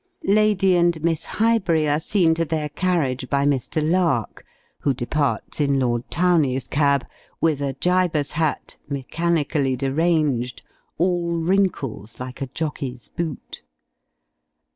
Lady and Miss Highbury are seen to their carriage by Mr. Lark, who departs in Lord Towney's cab, with a "Gibus" hat, mechanically deranged all wrinkles, like a jockey's boot.